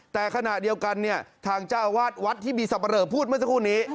แต่ขณะเดียวกันเนี่ยทางเจ้าอาวาสวัดที่มีสับปะเหลอพูดเมื่อสักครู่นี้